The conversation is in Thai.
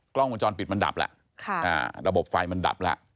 กล้องวงจรปิดมันดับแล้วระบบไฟมันดับแล้ว